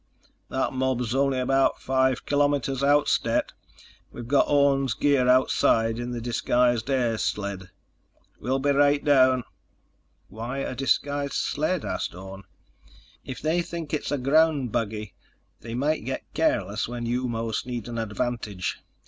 "That mob's only about five kilometers out, Stet. We've got Orne's gear outside in the disguised air sled." "We'll be right down." "Why a disguised sled?" asked Orne. "If they think it's a ground buggy, they might get careless when you most need an advantage.